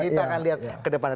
kita akan lihat kedepannya